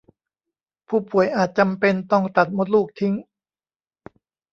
ผู้ป่วยอาจจำเป็นต้องตัดมดลูกทิ้ง